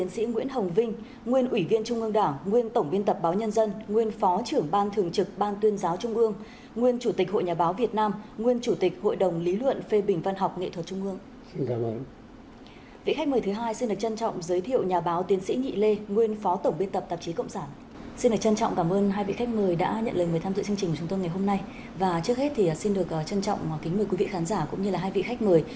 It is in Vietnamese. xin được trân trọng kính mời quý vị khán giả cũng như hai vị khách mời